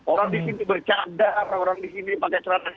orang di sini bercadar